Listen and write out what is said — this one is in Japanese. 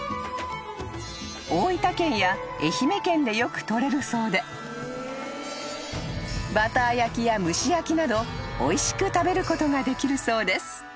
［大分県や愛媛県でよくとれるそうでバター焼きや蒸し焼きなどおいしく食べることができるそうです］